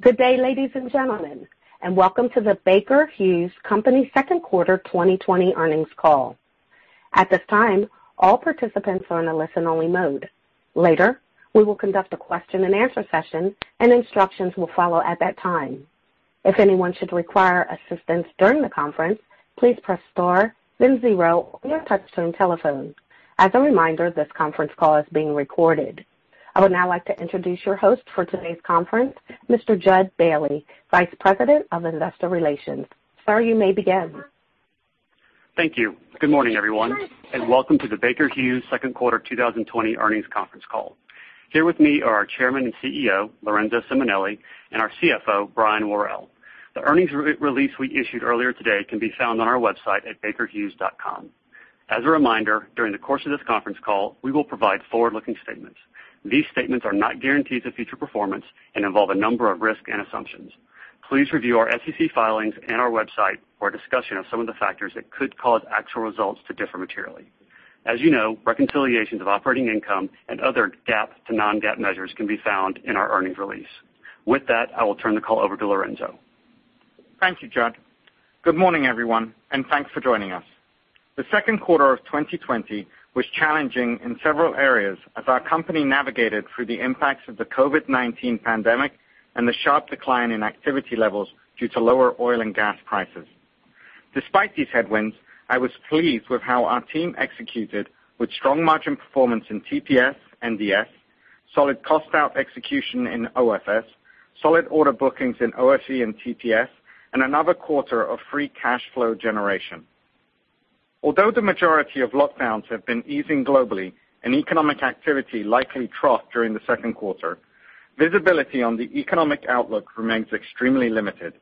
Good day, ladies and gentlemen, and welcome to the Baker Hughes Company second quarter 2020 earnings call. At this time, all participants are in a listen-only mode. Later, we will conduct a question and answer session and instructions will follow at that time. If anyone should require assistance during the conference, please press star then zero on your touchtone telephone. As a reminder, this conference call is being recorded. I would now like to introduce your host for today's conference, Mr. Jud Bailey, Vice President of Investor Relations. Sir, you may begin. Thank you. Good morning, everyone, and welcome to the Baker Hughes second quarter 2020 earnings conference call. Here with me are our Chairman and CEO, Lorenzo Simonelli, and our CFO, Brian Worrell. The earnings release we issued earlier today can be found on our website at bakerhughes.com. As a reminder, during the course of this conference call, we will provide forward-looking statements. These statements are not guarantees of future performance and involve a number of risks and assumptions. Please review our SEC filings and our website for a discussion of some of the factors that could cause actual results to differ materially. As you know, reconciliations of operating income and other GAAP to non-GAAP measures can be found in our earnings release. With that, I will turn the call over to Lorenzo. Thank you, Jud. Good morning, everyone, and thanks for joining us. The second quarter of 2020 was challenging in several areas as our company navigated through the impacts of the COVID-19 pandemic and the sharp decline in activity levels due to lower oil and gas prices. Despite these headwinds, I was pleased with how our team executed with strong margin performance in TPS and DS, solid cost-out execution in OFS, solid order bookings in OFE and TPS, and another quarter of free cash flow generation. Although the majority of lockdowns have been easing globally and economic activity likely troughed during the second quarter, visibility on the economic outlook remains extremely limited.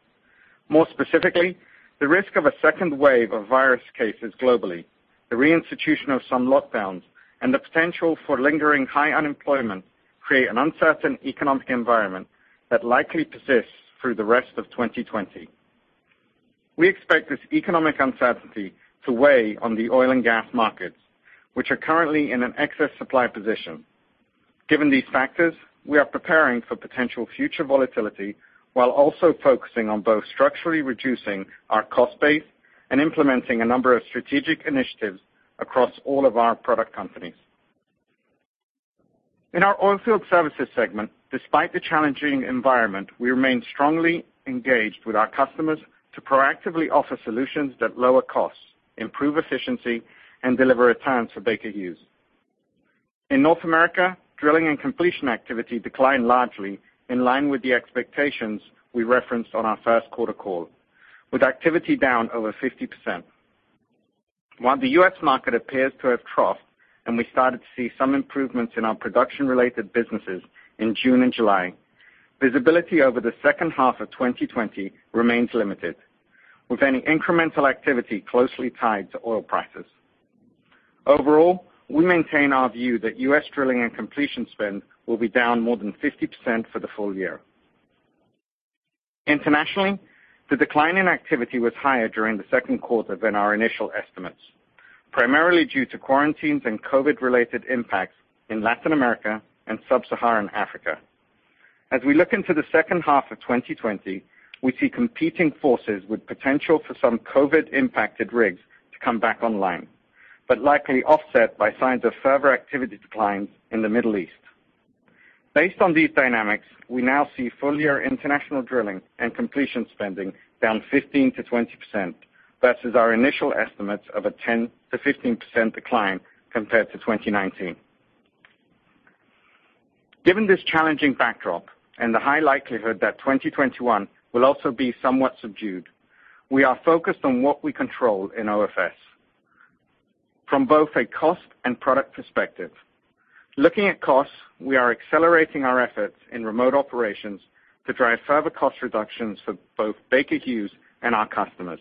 More specifically, the risk of a second wave of virus cases globally, the reinstitution of some lockdowns, and the potential for lingering high unemployment create an uncertain economic environment that likely persists through the rest of 2020. We expect this economic uncertainty to weigh on the oil and gas markets, which are currently in an excess supply position. Given these factors, we are preparing for potential future volatility while also focusing on both structurally reducing our cost base and implementing a number of strategic initiatives across all of our product companies. In our Oilfield Services segment, despite the challenging environment, we remain strongly engaged with our customers to proactively offer solutions that lower costs, improve efficiency, and deliver returns for Baker Hughes. In North America, drilling and completion activity declined largely in line with the expectations we referenced on our first quarter call, with activity down over 50%. While the U.S. market appears to have troughed and we started to see some improvements in our production-related businesses in June and July, visibility over the second half of 2020 remains limited, with any incremental activity closely tied to oil prices. Overall, we maintain our view that U.S. drilling and completion spend will be down more than 50% for the full year. Internationally, the decline in activity was higher during the second quarter than our initial estimates, primarily due to quarantines and COVID-related impacts in Latin America and sub-Saharan Africa. As we look into the second half of 2020, we see competing forces with potential for some COVID-impacted rigs to come back online, but likely offset by signs of further activity declines in the Middle East. Based on these dynamics, we now see full-year international drilling and completion spending down 15%-20% versus our initial estimates of a 10%-15% decline compared to 2019. Given this challenging backdrop and the high likelihood that 2021 will also be somewhat subdued, we are focused on what we control in OFS from both a cost and product perspective. Looking at costs, we are accelerating our efforts in remote operations to drive further cost reductions for both Baker Hughes and our customers,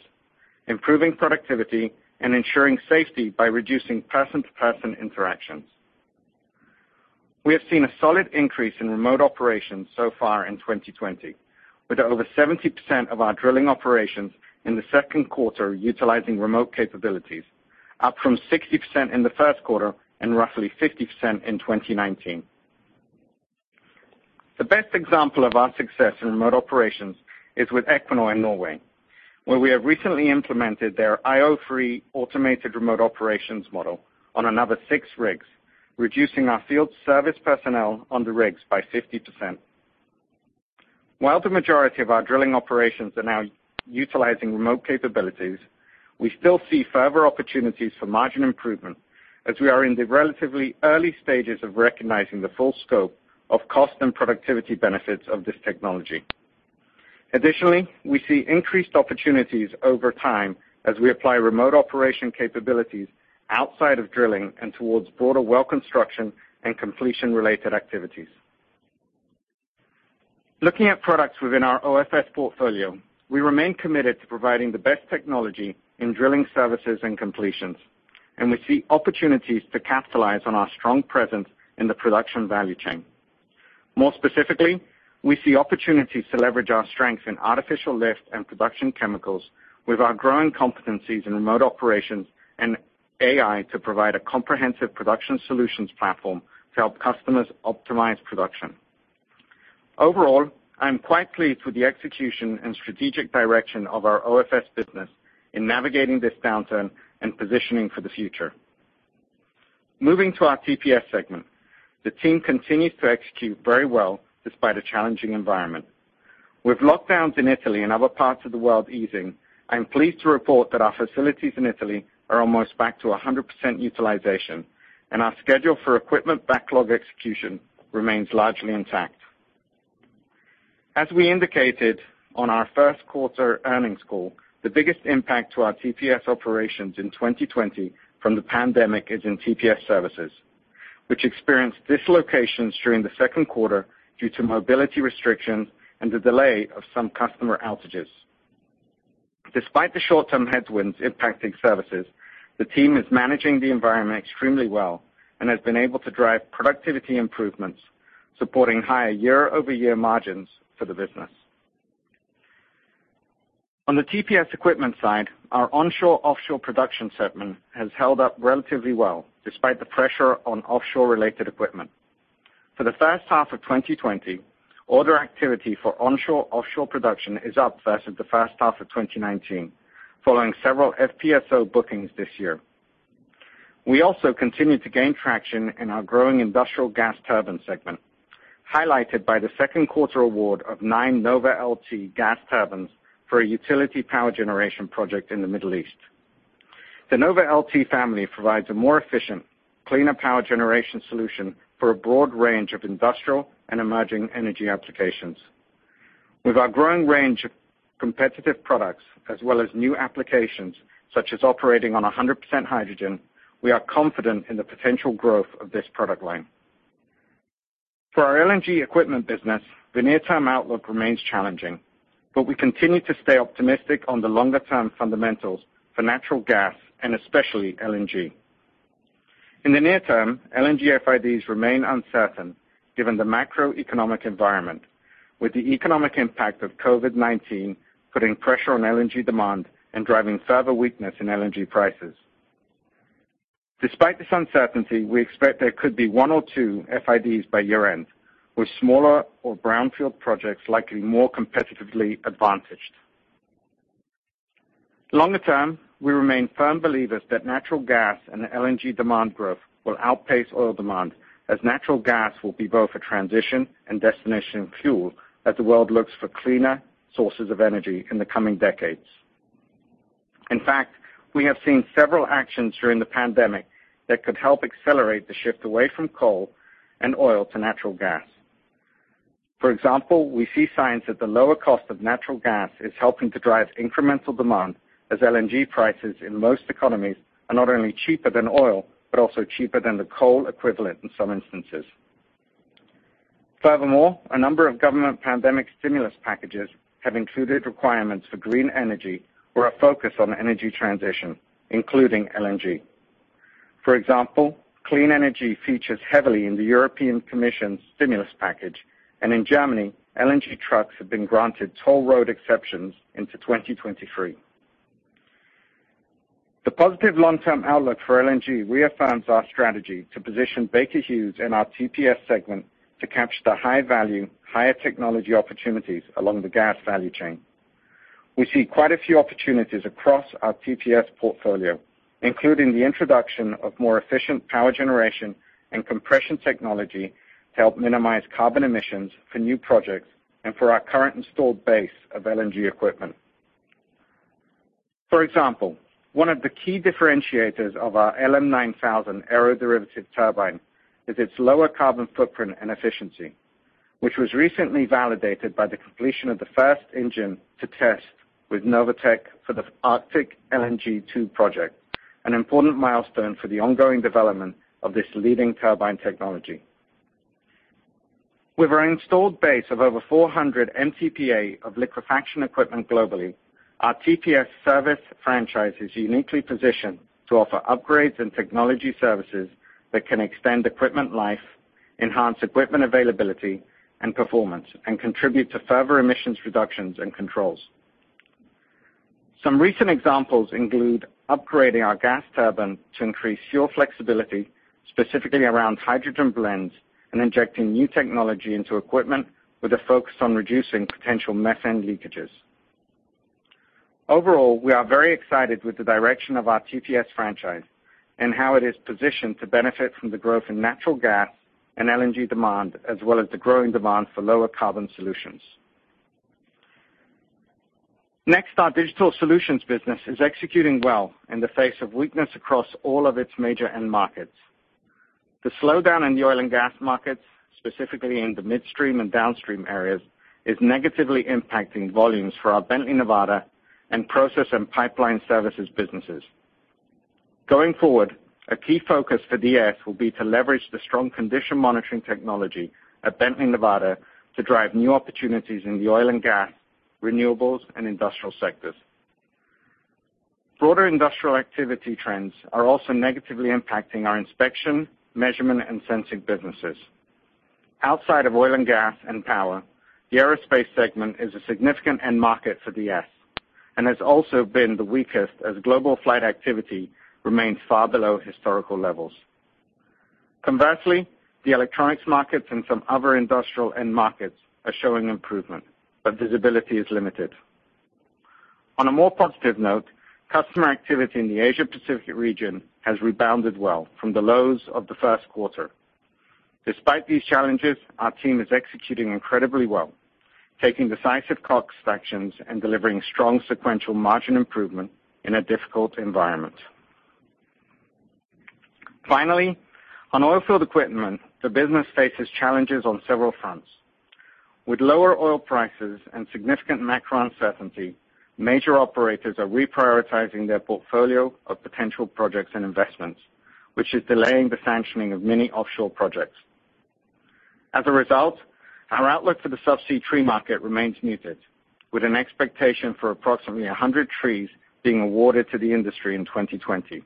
improving productivity and ensuring safety by reducing person-to-person interactions. We have seen a solid increase in remote operations so far in 2020, with over 70% of our drilling operations in the second quarter utilizing remote capabilities, up from 60% in the first quarter and roughly 50% in 2019. The best example of our success in remote operations is with Equinor in Norway, where we have recently implemented their IO3 automated remote operations model on another six rigs, reducing our field service personnel on the rigs by 50%. While the majority of our drilling operations are now utilizing remote capabilities, we still see further opportunities for margin improvement as we are in the relatively early stages of recognizing the full scope of cost and productivity benefits of this technology. Additionally, we see increased opportunities over time as we apply remote operation capabilities outside of drilling and towards broader well construction and completion-related activities. Looking at products within our OFS portfolio, we remain committed to providing the best technology in drilling services and completions, and we see opportunities to capitalize on our strong presence in the production value chain. More specifically, we see opportunities to leverage our strength in artificial lift and production chemicals with our growing competencies in remote operations and AI to provide a comprehensive production solutions platform to help customers optimize production. Overall, I am quite pleased with the execution and strategic direction of our OFS business in navigating this downturn and positioning for the future. Moving to our TPS segment. The team continues to execute very well despite a challenging environment. With lockdowns in Italy and other parts of the world easing, I am pleased to report that our facilities in Italy are almost back to 100% utilization, and our schedule for equipment backlog execution remains largely intact. As we indicated on our first quarter earnings call, the biggest impact to our TPS operations in 2020 from the pandemic is in TPS services, which experienced dislocations during the second quarter due to mobility restrictions and the delay of some customer outages. Despite the short-term headwinds impacting services, the team is managing the environment extremely well and has been able to drive productivity improvements, supporting higher year-over-year margins for the business. On the TPS equipment side, our onshore/offshore production segment has held up relatively well despite the pressure on offshore-related equipment. For the first half of 2020, order activity for onshore/offshore production is up versus the first half of 2019, following several FPSO bookings this year. We also continue to gain traction in our growing industrial gas turbine segment, highlighted by the second quarter award of nine NovaLT gas turbines for a utility power generation project in the Middle East. The NovaLT family provides a more efficient, cleaner power generation solution for a broad range of industrial and emerging energy applications. With our growing range of competitive products, as well as new applications such as operating on 100% hydrogen, we are confident in the potential growth of this product line. For our LNG equipment business, the near-term outlook remains challenging, but we continue to stay optimistic on the longer-term fundamentals for natural gas and especially LNG. In the near term, LNG FIDs remain uncertain given the macroeconomic environment, with the economic impact of COVID-19 putting pressure on LNG demand and driving further weakness in LNG prices. Despite this uncertainty, we expect there could be one or two FIDs by year-end, with smaller or brownfield projects likely more competitively advantaged. Longer term, we remain firm believers that natural gas and LNG demand growth will outpace oil demand, as natural gas will be both a transition and destination fuel as the world looks for cleaner sources of energy in the coming decades. In fact, we have seen several actions during the pandemic that could help accelerate the shift away from coal and oil to natural gas. For example, we see signs that the lower cost of natural gas is helping to drive incremental demand, as LNG prices in most economies are not only cheaper than oil, but also cheaper than the coal equivalent in some instances. Furthermore, a number of government pandemic stimulus packages have included requirements for green energy or a focus on energy transition, including LNG. For example, clean energy features heavily in the European Commission's stimulus package, and in Germany, LNG trucks have been granted toll road exceptions into 2023. The positive long-term outlook for LNG reaffirms our strategy to position Baker Hughes in our TPS segment to capture the high-value, higher technology opportunities along the gas value chain. We see quite a few opportunities across our TPS portfolio, including the introduction of more efficient power generation and compression technology to help minimize carbon emissions for new projects and for our current installed base of LNG equipment. For example, one of the key differentiators of our LM9000 aeroderivative turbine is its lower carbon footprint and efficiency, which was recently validated by the completion of the first engine to test with Novatek for the Arctic LNG 2 project, an important milestone for the ongoing development of this leading turbine technology. With our installed base of over 400 MTPA of liquefaction equipment globally, our TPS service franchise is uniquely positioned to offer upgrades and technology services that can extend equipment life, enhance equipment availability and performance, and contribute to further emissions reductions and controls. Some recent examples include upgrading our gas turbine to increase fuel flexibility, specifically around hydrogen blends, and injecting new technology into equipment with a focus on reducing potential methane leakages. Overall, we are very excited with the direction of our TPS franchise and how it is positioned to benefit from the growth in natural gas and LNG demand, as well as the growing demand for lower carbon solutions. Next, our digital solutions business is executing well in the face of weakness across all of its major end markets. The slowdown in the oil and gas markets, specifically in the midstream and downstream areas, is negatively impacting volumes for our Bently Nevada and process and pipeline services businesses. Going forward, a key focus for DS will be to leverage the strong condition monitoring technology at Bently Nevada to drive new opportunities in the oil and gas, renewables, and industrial sectors. Broader industrial activity trends are also negatively impacting our inspection, measurement, and sensing businesses. Outside of oil and gas and power, the aerospace segment is a significant end market for DS, and has also been the weakest as global flight activity remains far below historical levels. Conversely, the electronics markets and some other industrial end markets are showing improvement, but visibility is limited. On a more positive note, customer activity in the Asia Pacific region has rebounded well from the lows of the first quarter. Despite these challenges, our team is executing incredibly well, taking decisive cost actions and delivering strong sequential margin improvement in a difficult environment. Finally, on Oilfield Equipment, the business faces challenges on several fronts. With lower oil prices and significant macro uncertainty, major operators are reprioritizing their portfolio of potential projects and investments, which is delaying the sanctioning of many offshore projects. As a result, our outlook for the subsea tree market remains muted, with an expectation for approximately 100 trees being awarded to the industry in 2020.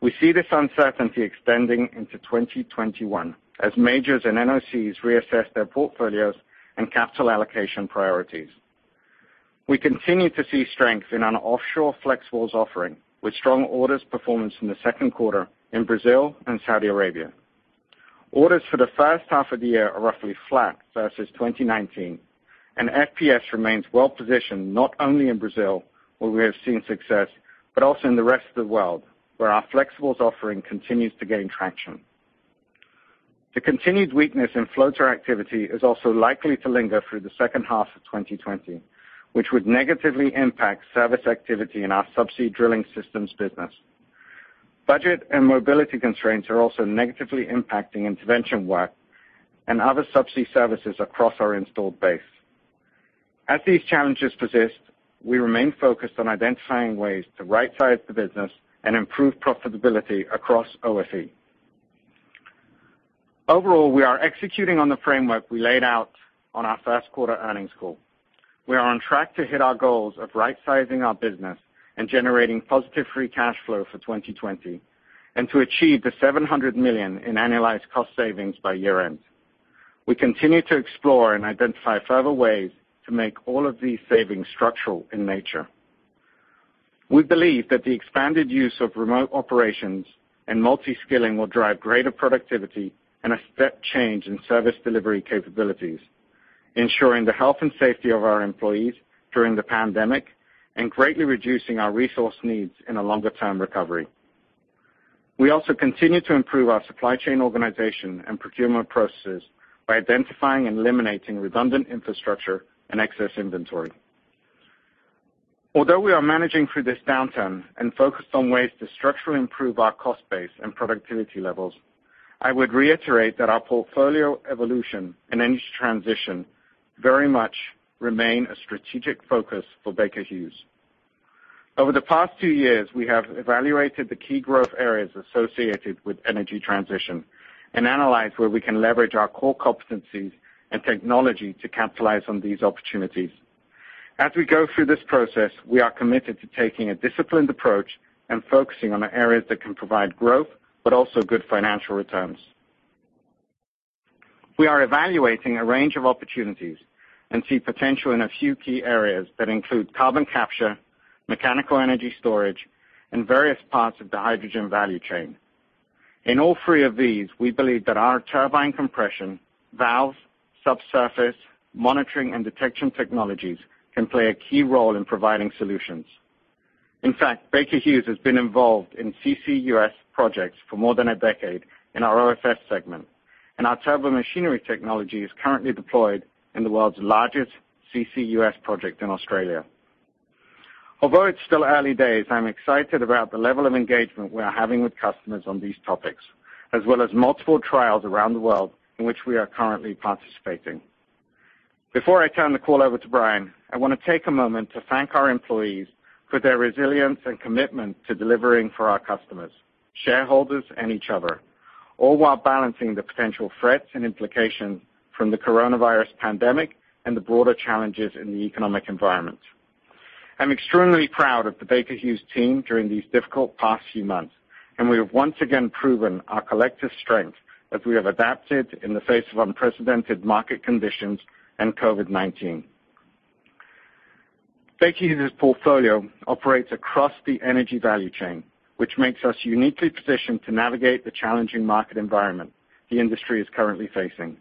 We see this uncertainty extending into 2021 as majors and NOCs reassess their portfolios and capital allocation priorities. We continue to see strength in an offshore flexibles offering with strong orders performance in the second quarter in Brazil and Saudi Arabia. Orders for the first half of the year are roughly flat versus 2019, and FPS remains well-positioned not only in Brazil, where we have seen success, but also in the rest of the world, where our flexible offering continues to gain traction. The continued weakness in floater activity is also likely to linger through the second half of 2020, which would negatively impact service activity in our subsea drilling systems business. Budget and mobility constraints are also negatively impacting intervention work and other subsea services across our installed base. As these challenges persist, we remain focused on identifying ways to rightsize the business and improve profitability across OFE. Overall, we are executing on the framework we laid out on our first quarter earnings call. We are on track to hit our goals of rightsizing our business and generating positive free cash flow for 2020, and to achieve the $700 million in annualized cost savings by year-end. We continue to explore and identify further ways to make all of these savings structural in nature. We believe that the expanded use of remote operations and multi-skilling will drive greater productivity and a step change in service delivery capabilities, ensuring the health and safety of our employees during the pandemic, and greatly reducing our resource needs in a longer-term recovery. We also continue to improve our supply chain organization and procurement processes by identifying and eliminating redundant infrastructure and excess inventory. Although we are managing through this downturn and focused on ways to structurally improve our cost base and productivity levels, I would reiterate that our portfolio evolution and Energy Transition very much remain a strategic focus for Baker Hughes. Over the past two years, we have evaluated the key growth areas associated with Energy Transition and analyzed where we can leverage our core competencies and technology to capitalize on these opportunities. As we go through this process, we are committed to taking a disciplined approach and focusing on the areas that can provide growth, but also good financial returns. We are evaluating a range of opportunities and see potential in a few key areas that include carbon capture, mechanical energy storage, and various parts of the hydrogen value chain. In all three of these, we believe that our turbine compression, valves, subsurface monitoring, and detection technologies can play a key role in providing solutions. In fact, Baker Hughes has been involved in CCUS projects for more than a decade in our OFS segment, and our turbomachinery technology is currently deployed in the world's largest CCUS project in Australia. Although it's still early days, I'm excited about the level of engagement we are having with customers on these topics, as well as multiple trials around the world in which we are currently participating. Before I turn the call over to Brian, I want to take a moment to thank our employees for their resilience and commitment to delivering for our customers, shareholders, and each other, all while balancing the potential threats and implications from the coronavirus pandemic and the broader challenges in the economic environment. I'm extremely proud of the Baker Hughes team during these difficult past few months. We have once again proven our collective strength as we have adapted in the face of unprecedented market conditions and COVID-19. Baker Hughes' portfolio operates across the energy value chain, which makes us uniquely positioned to navigate the challenging market environment the industry is currently facing.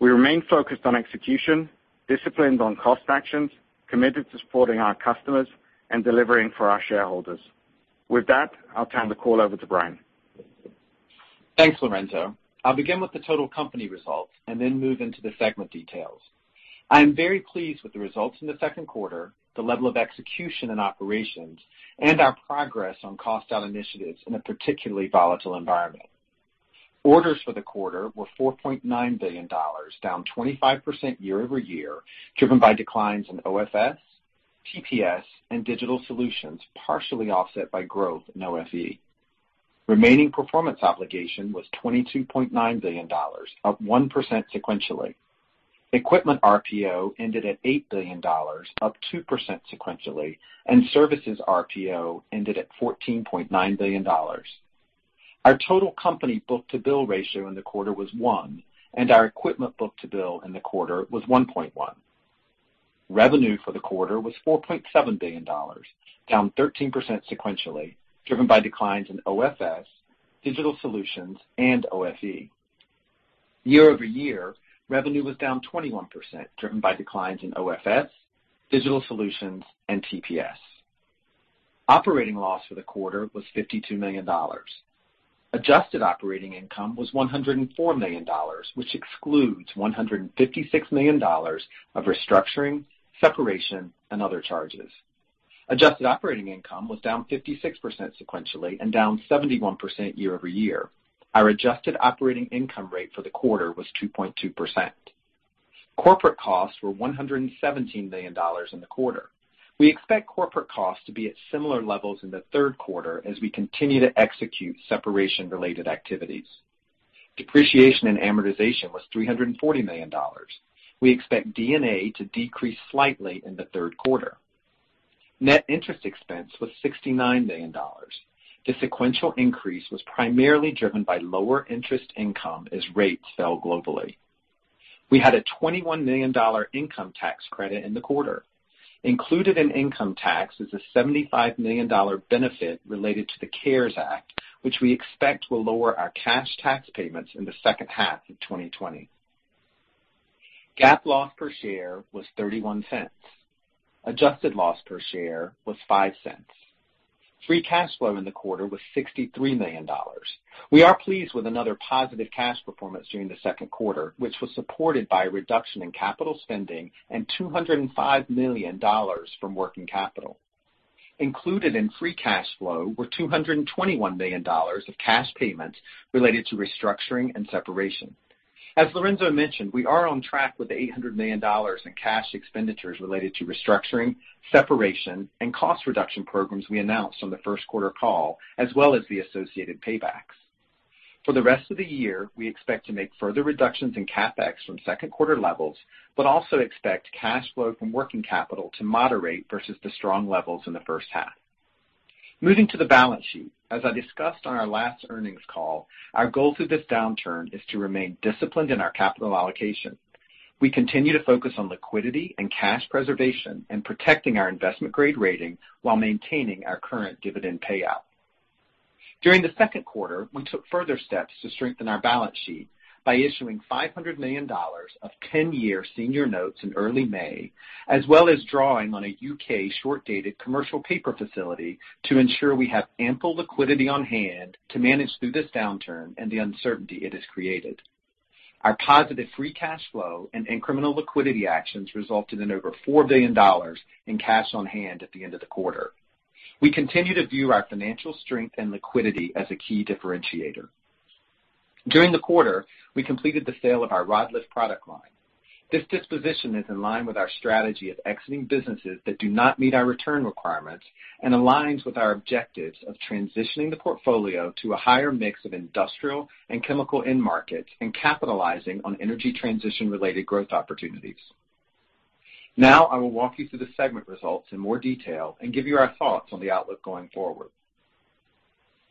We remain focused on execution, disciplined on cost actions, committed to supporting our customers, and delivering for our shareholders. With that, I'll turn the call over to Brian. Thanks, Lorenzo. I'll begin with the total company results and then move into the segment details. I am very pleased with the results in the second quarter, the level of execution and operations, and our progress on cost out initiatives in a particularly volatile environment. Orders for the quarter were $4.9 billion, down 25% year-over-year, driven by declines in OFS, TPS, and Digital Solutions, partially offset by growth in OFE. Remaining performance obligation was $22.9 billion, up 1% sequentially. Equipment RPO ended at $8 billion, up 2% sequentially, and services RPO ended at $14.9 billion. Our total company book-to-bill ratio in the quarter was 1, and our equipment book-to-bill in the quarter was 1.1. Revenue for the quarter was $4.7 billion, down 13% sequentially, driven by declines in OFS, Digital Solutions, and OFE. Year-over-year, revenue was down 21%, driven by declines in OFS, digital solutions, and TPS. Operating loss for the quarter was $52 million. Adjusted operating income was $104 million, which excludes $156 million of restructuring, separation, and other charges. Adjusted operating income was down 56% sequentially and down 71% year-over-year. Our adjusted operating income rate for the quarter was 2.2%. Corporate costs were $117 million in the quarter. We expect corporate costs to be at similar levels in the third quarter as we continue to execute separation-related activities. Depreciation and Amortization was $340 million. We expect D&A to decrease slightly in the third quarter. Net interest expense was $69 million. The sequential increase was primarily driven by lower interest income as rates fell globally. We had a $21 million income tax credit in the quarter. Included in income tax is a $75 million benefit related to the CARES Act, which we expect will lower our cash tax payments in the second half of 2020. GAAP loss per share was $0.31. Adjusted loss per share was $0.05. Free cash flow in the quarter was $63 million. We are pleased with another positive cash performance during the second quarter, which was supported by a reduction in capital spending and $205 million from working capital. Included in free cash flow were $221 million of cash payments related to restructuring and separation. As Lorenzo mentioned, we are on track with the $800 million in cash expenditures related to restructuring, separation, and cost reduction programs we announced on the first quarter call, as well as the associated paybacks. For the rest of the year, we expect to make further reductions in CapEx from second quarter levels, but also expect cash flow from working capital to moderate versus the strong levels in the first half. Moving to the balance sheet. As I discussed on our last earnings call, our goal through this downturn is to remain disciplined in our capital allocation. We continue to focus on liquidity and cash preservation and protecting our investment-grade rating while maintaining our current dividend payout. During the second quarter, we took further steps to strengthen our balance sheet by issuing $500 million of 10-year senior notes in early May, as well as drawing on a U.K. short-dated commercial paper facility to ensure we have ample liquidity on hand to manage through this downturn and the uncertainty it has created. Our positive free cash flow and incremental liquidity actions resulted in over $4 billion in cash on hand at the end of the quarter. We continue to view our financial strength and liquidity as a key differentiator. During the quarter, we completed the sale of our rod lift product line. This disposition is in line with our strategy of exiting businesses that do not meet our return requirements and aligns with our objectives of transitioning the portfolio to a higher mix of industrial and chemical end markets and capitalizing on energy transition-related growth opportunities. Now, I will walk you through the segment results in more detail and give you our thoughts on the outlook going forward.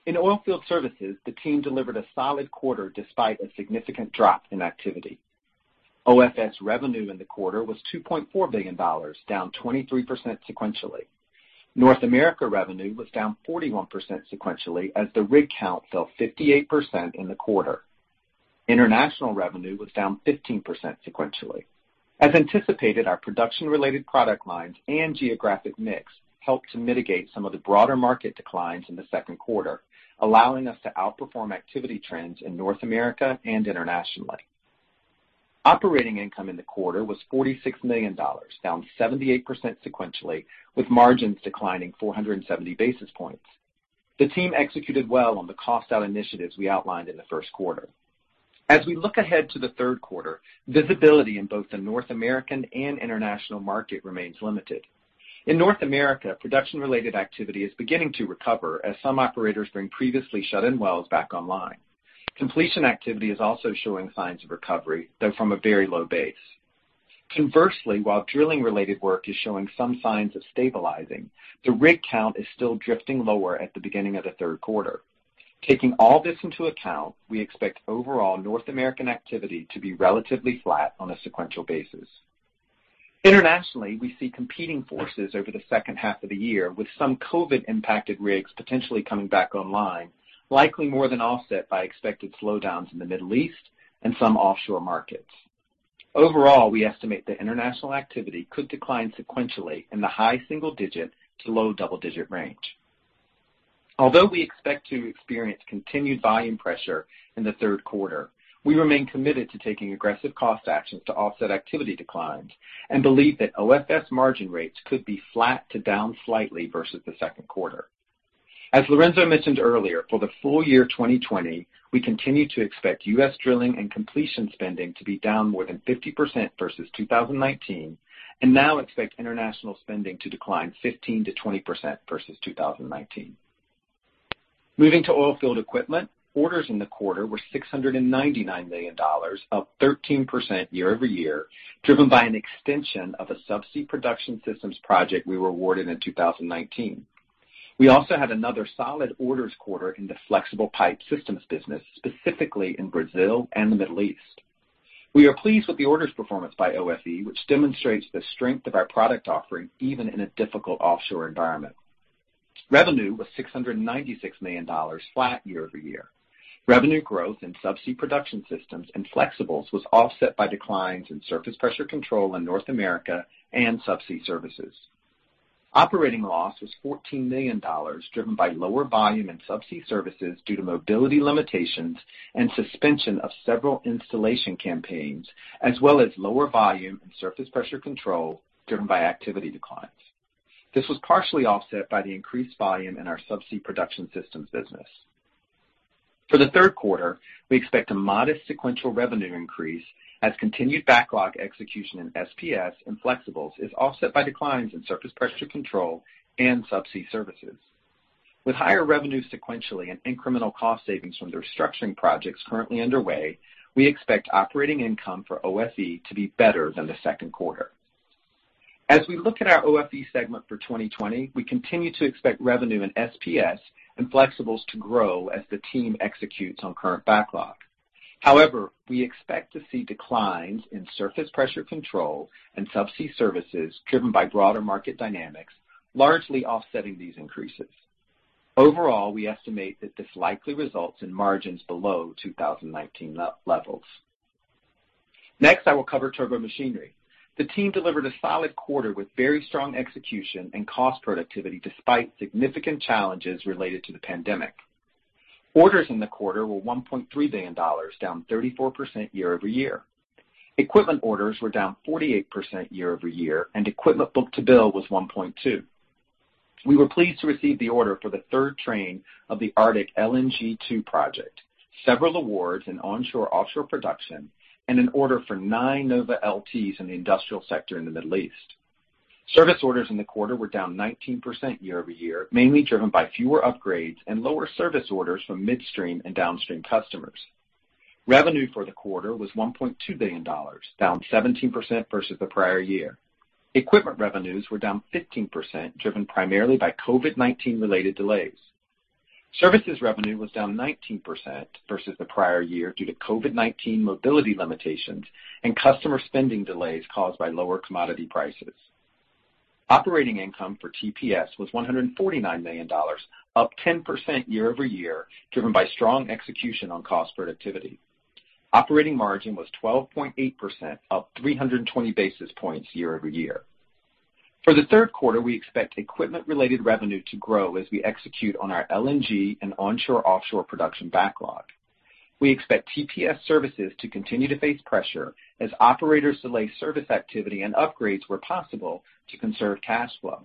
In Oilfield Services, the team delivered a solid quarter despite a significant drop in activity. OFS revenue in the quarter was $2.4 billion, down 23% sequentially. North America revenue was down 41% sequentially as the rig count fell 58% in the quarter. International revenue was down 15% sequentially. As anticipated, our production-related product lines and geographic mix helped to mitigate some of the broader market declines in the second quarter, allowing us to outperform activity trends in North America and internationally. Operating income in the quarter was $46 million, down 78% sequentially, with margins declining 470 basis points. The team executed well on the cost-out initiatives we outlined in the first quarter. We look ahead to the third quarter, visibility in both the North American and international market remains limited. In North America, production-related activity is beginning to recover as some operators bring previously shut-in wells back online. Completion activity is also showing signs of recovery, though from a very low base. Conversely, while drilling-related work is showing some signs of stabilizing, the rig count is still drifting lower at the beginning of the third quarter. Taking all this into account, we expect overall North American activity to be relatively flat on a sequential basis. Internationally, we see competing forces over the second half of the year, with some COVID-19-impacted rigs potentially coming back online, likely more than offset by expected slowdowns in the Middle East and some offshore markets. Overall, we estimate that international activity could decline sequentially in the high single-digit to low double-digit range. Although we expect to experience continued volume pressure in the third quarter, we remain committed to taking aggressive cost actions to offset activity declines and believe that OFS margin rates could be flat to down slightly versus the second quarter. As Lorenzo mentioned earlier, for the full year 2020, we continue to expect U.S. drilling and completion spending to be down more than 50% versus 2019. Now expect international spending to decline 15%-20% versus 2019. Moving to oilfield equipment. Orders in the quarter were $699 million, up 13% year-over-year, driven by an extension of a subsea production systems project we were awarded in 2019. We also had another solid orders quarter in the flexible pipe systems business, specifically in Brazil and the Middle East. We are pleased with the orders performance by OFE, which demonstrates the strength of our product offering, even in a difficult offshore environment. Revenue was $696 million, flat year-over-year. Revenue growth in subsea production systems and flexibles was offset by declines in surface pressure control in North America and subsea services. Operating loss was $14 million, driven by lower volume in subsea services due to mobility limitations and suspension of several installation campaigns, as well as lower volume in surface pressure control driven by activity declines. This was partially offset by the increased volume in our Subsea Production Systems business. For the third quarter, we expect a modest sequential revenue increase as continued backlog execution in SPS and flexibles is offset by declines in surface pressure control and subsea services. With higher revenue sequentially and incremental cost savings from the restructuring projects currently underway, we expect operating income for OFE to be better than the second quarter. As we look at our OFE segment for 2020, we continue to expect revenue in SPS and flexibles to grow as the team executes on current backlog. However, we expect to see declines in surface pressure control and subsea services driven by broader market dynamics, largely offsetting these increases. Overall, we estimate that this likely results in margins below 2019 levels. Next, I will cover Turbomachinery. The team delivered a solid quarter with very strong execution and cost productivity despite significant challenges related to the pandemic. Orders in the quarter were $1.3 billion, down 34% year-over-year. Equipment orders were down 48% year-over-year, and equipment book-to-bill was 1.2. We were pleased to receive the order for the third train of the Arctic LNG 2 project, several awards in onshore/offshore production, and an order for nine NovaLTs in the industrial sector in the Middle East. Service orders in the quarter were down 19% year-over-year, mainly driven by fewer upgrades and lower service orders from midstream and downstream customers. Revenue for the quarter was $1.2 billion, down 17% versus the prior year. Equipment revenues were down 15%, driven primarily by COVID-19 related delays. Services revenue was down 19% versus the prior year due to COVID-19 mobility limitations and customer spending delays caused by lower commodity prices. Operating income for TPS was $149 million, up 10% year-over-year, driven by strong execution on cost productivity. Operating margin was 12.8%, up 320 basis points year-over-year. For the third quarter, we expect equipment-related revenue to grow as we execute on our LNG and onshore/offshore production backlog. We expect TPS services to continue to face pressure as operators delay service activity and upgrades where possible to conserve cash flow.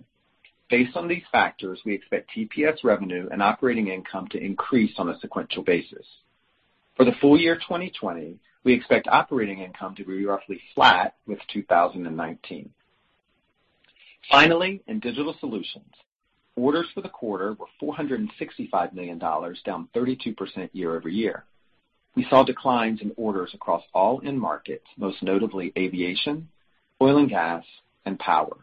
Based on these factors, we expect TPS revenue and operating income to increase on a sequential basis. For the full year 2020, we expect operating income to be roughly flat with 2019. Finally, in Digital Solutions, orders for the quarter were $465 million, down 32% year-over-year. We saw declines in orders across all end markets, most notably aviation, oil and gas, and power.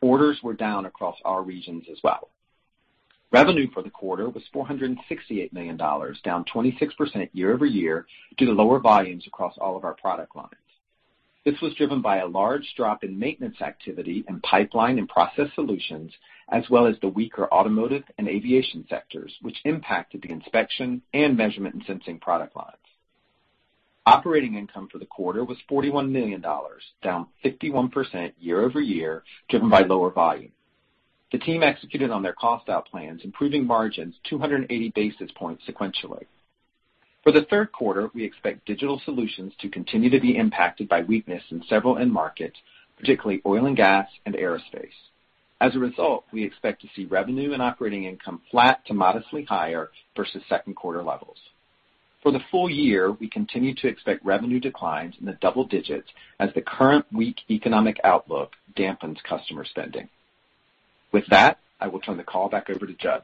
Orders were down across our regions as well. Revenue for the quarter was $468 million, down 26% year-over-year due to lower volumes across all of our product lines. This was driven by a large drop in maintenance activity in pipeline and process solutions, as well as the weaker automotive and aviation sectors, which impacted the inspection and measurement and sensing product lines. Operating income for the quarter was $41 million, down 51% year-over-year, driven by lower volume. The team executed on their cost out plans, improving margins 280 basis points sequentially. For the third quarter, we expect digital solutions to continue to be impacted by weakness in several end markets, particularly oil and gas and aerospace. As a result, we expect to see revenue and operating income flat to modestly higher versus second quarter levels. For the full year, we continue to expect revenue declines in the double digits as the current weak economic outlook dampens customer spending. With that, I will turn the call back over to Jud.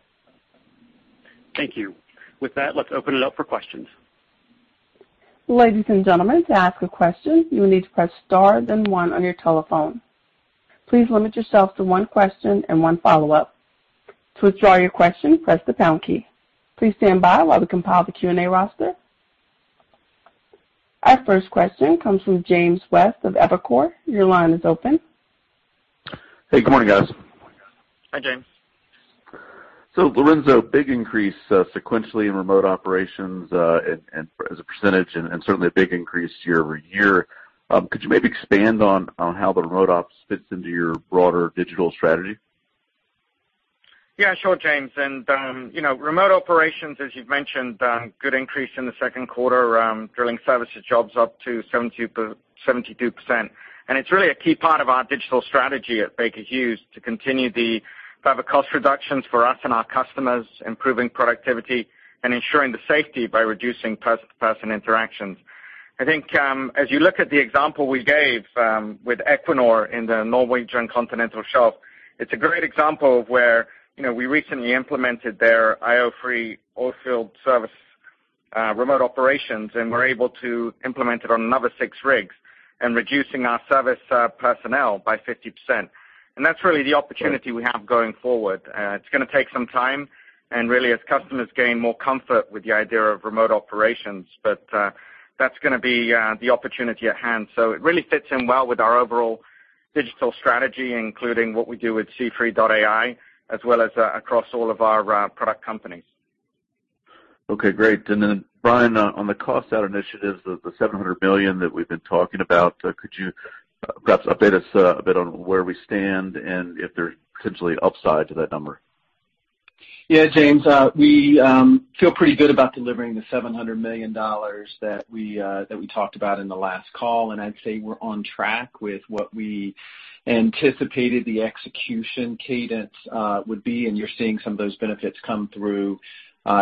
Thank you. With that, let's open it up for questions. Ladies and gentlemen, to ask a question, you will need to press star then one on your telephone. Please limit yourself to one question and one follow-up. To withdraw your question, press the pound key. Please stand by while we compile the Q&A roster. Our first question comes from James West of Evercore. Your line is open. Hey, good morning, guys. Hi, James. Lorenzo, big increase sequentially in remote operations, and as a percentage, and certainly a big increase year over year. Could you maybe expand on how the remote ops fits into your broader digital strategy? Yeah, sure, James. You know, remote operations, as you've mentioned, good increase in the second quarter. Drilling services jobs up to 72%. It's really a key part of our digital strategy at Baker Hughes to continue to have a cost reductions for us and our customers, improving productivity and ensuring the safety by reducing person-to-person interactions. I think as you look at the example we gave with Equinor in the Norwegian Continental Shelf, it's a great example of where we recently implemented their IO3 oil field service remote operations, and we're able to implement it on another six rigs and reducing our service personnel by 50%. That's really the opportunity we have going forward. It's going to take some time and really as customers gain more comfort with the idea of remote operations. That's going to be the opportunity at hand. It really fits in well with our overall digital strategy, including what we do with C3.ai as well as across all of our product companies. Okay, great. Brian, on the cost out initiatives, the $700 million that we've been talking about, could you perhaps update us a bit on where we stand and if there are potentially upside to that number? Yeah, James, we feel pretty good about delivering the $700 million that we talked about in the last call. I'd say we're on track with what we anticipated the execution cadence would be, and you're seeing some of those benefits come through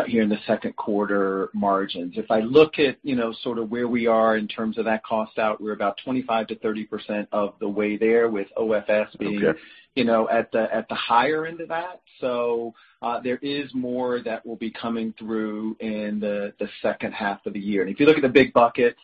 here in the second quarter margins. If I look at sort of where we are in terms of that cost out, we're about 25%-30% of the way there with OFS being- Okay at the higher end of that. There is more that will be coming through in the second half of the year. If you look at the big buckets,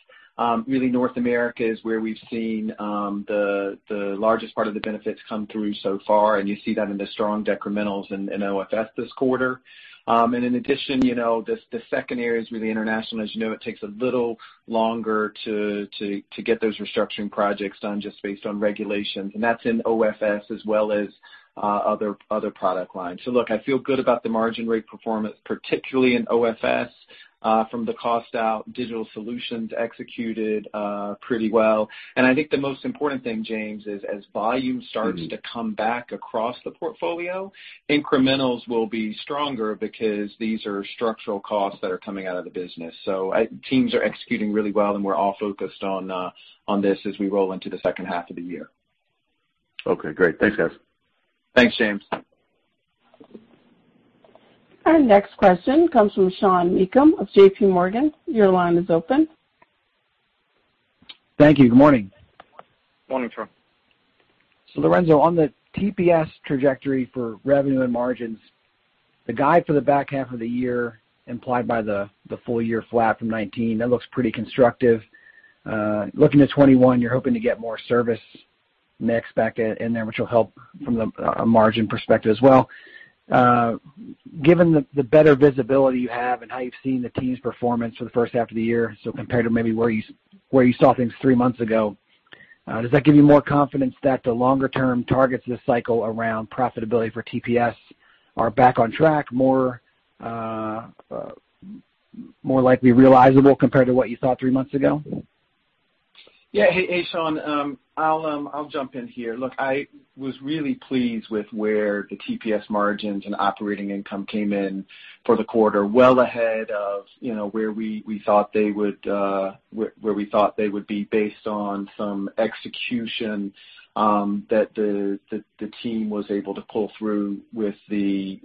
really North America is where we've seen the largest part of the benefits come through so far, and you see that in the strong decrementals in OFS this quarter. In addition, the second area is really international. As you know, it takes a little longer to get those restructuring projects done just based on regulations, and that's in OFS as well as other product lines. Look, I feel good about the margin rate performance, particularly in OFS, from the cost out digital solutions executed pretty well. I think the most important thing, James, is as volume starts to come back across the portfolio, incrementals will be stronger because these are structural costs that are coming out of the business. Teams are executing really well and we're all focused on this as we roll into the second half of the year. Okay, great. Thanks, guys. Thanks, James. Our next question comes from Sean Meakim of J.P. Morgan. Your line is open. Thank you. Good morning. Morning, Sean. Lorenzo, on the TPS trajectory for revenue and margins, the guide for the back half of the year implied by the full year flat from 2019, that looks pretty constructive. Looking to 2021, you're hoping to get more service mix back in there, which will help from the margin perspective as well. Given the better visibility you have and how you've seen the team's performance for the first half of the year, so compared to maybe where you saw things three months ago, does that give you more confidence that the longer term targets this cycle around profitability for TPS are back on track, more likely realizable compared to what you thought three months ago? Hey, Sean, I'll jump in here. Look, I was really pleased with where the TPS margins and operating income came in for the quarter, well ahead of where we thought they would be based on some execution that the team was able to pull through with the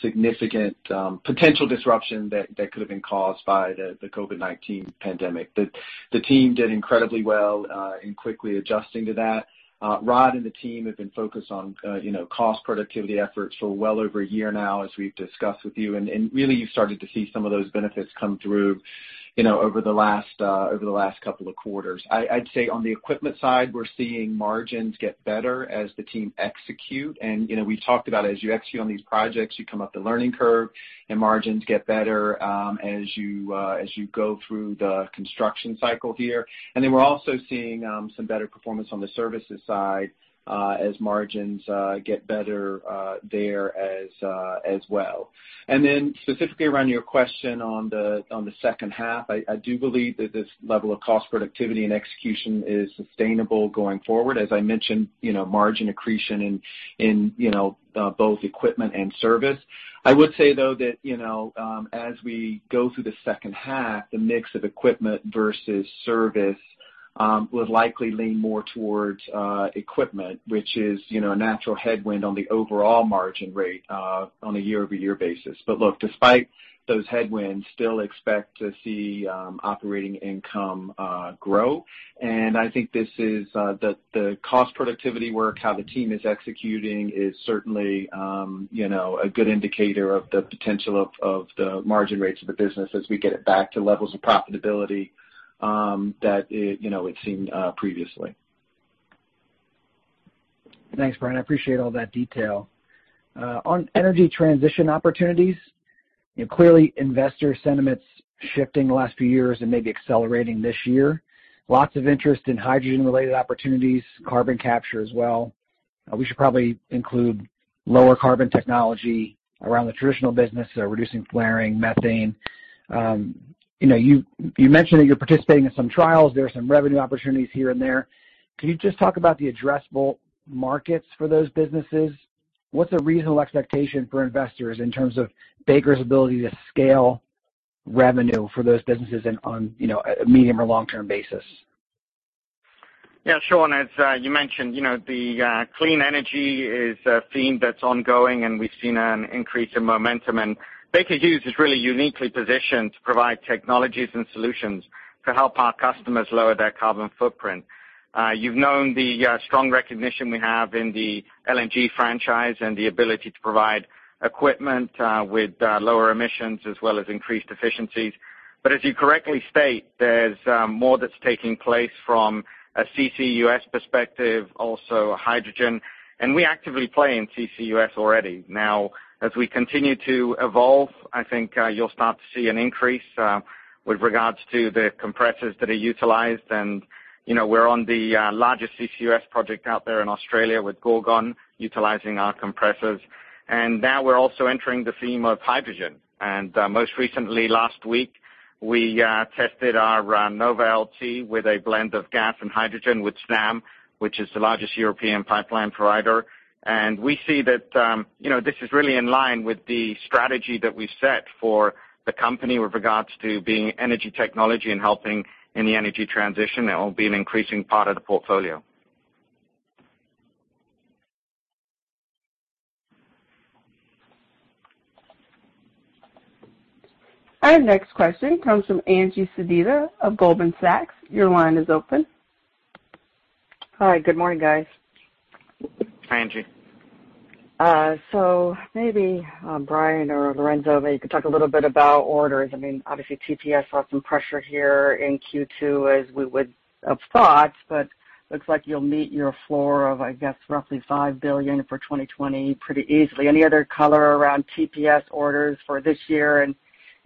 significant potential disruption that could have been caused by the COVID-19 pandemic. The team did incredibly well in quickly adjusting to that. Rod and the team have been focused on cost productivity efforts for well over a year now, as we've discussed with you, really you started to see some of those benefits come through over the last couple of quarters. I'd say on the equipment side, we're seeing margins get better as the team execute. We've talked about as you execute on these projects, you come up the learning curve and margins get better as you go through the construction cycle here. We're also seeing some better performance on the services side as margins get better there as well. Specifically around your question on the second half, I do believe that this level of cost productivity and execution is sustainable going forward. As I mentioned, margin accretion in both equipment and service. I would say, though, that as we go through the second half, the mix of equipment versus service will likely lean more towards equipment, which is a natural headwind on the overall margin rate on a year-over-year basis. Look, despite those headwinds, still expect to see operating income grow. I think the cost productivity work, how the team is executing is certainly a good indicator of the potential of the margin rates of the business as we get it back to levels of profitability that it's seen previously. Thanks, Brian. I appreciate all that detail. On energy transition opportunities, clearly investor sentiment's shifting the last few years and maybe accelerating this year. Lots of interest in hydrogen-related opportunities, carbon capture as well. We should probably include lower carbon technology around the traditional business, so reducing flaring, methane. You mentioned that you're participating in some trials. There are some revenue opportunities here and there. Could you just talk about the addressable markets for those businesses? What's a reasonable expectation for investors in terms of Baker's ability to scale revenue for those businesses on a medium or long-term basis? Sean, as you mentioned, the clean energy is a theme that's ongoing, we've seen an increase in momentum. Baker Hughes is really uniquely positioned to provide technologies and solutions to help our customers lower their carbon footprint. You've known the strong recognition we have in the LNG franchise and the ability to provide equipment with lower emissions as well as increased efficiencies. As you correctly state, there's more that's taking place from a CCUS perspective, also hydrogen, and we actively play in CCUS already. As we continue to evolve, I think you'll start to see an increase with regards to the compressors that are utilized. We're on the largest CCUS project out there in Australia with Gorgon utilizing our compressors. Now we're also entering the theme of hydrogen. Most recently, last week, we tested our NovaLT with a blend of gas and hydrogen with Snam, which is the largest European pipeline provider. We see that this is really in line with the strategy that we set for the company with regards to being energy technology and helping in the energy transition. It will be an increasing part of the portfolio. Our next question comes from Angie Sedita of Goldman Sachs. Your line is open. Hi, good morning, guys. Hi, Angie. Maybe Brian or Lorenzo, maybe you could talk a little bit about orders. I mean, obviously TPS saw some pressure here in Q2 as we would have thought, but looks like you'll meet your floor of roughly $5 billion for 2020 pretty easily. Any other color around TPS orders for this year